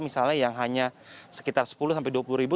misalnya yang hanya sekitar sepuluh sampai dua puluh ribu